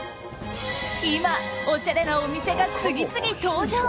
今、おしゃれなお店が次々登場。